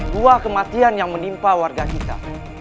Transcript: buah kematian yang menimpa warga kita